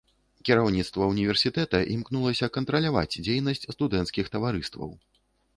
Кіраўніцтва ўніверсітэта імкнулася кантраляваць дзейнасць студэнцкіх таварыстваў.